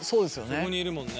そこにいるもんね。